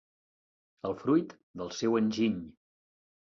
El fruit del seu enginy.